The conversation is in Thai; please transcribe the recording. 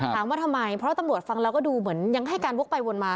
ถามว่าทำไมเพราะตำรวจฟังแล้วก็ดูเหมือนยังให้การวกไปวนมา